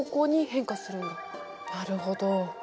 なるほど。